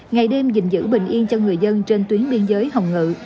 ngày đêm dình dữ bình yên cho người dân trên tuyến biên giới hồng ngự